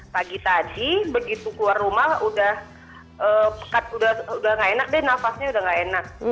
pagi tadi begitu keluar rumah udah pekat udah gak enak deh nafasnya udah gak enak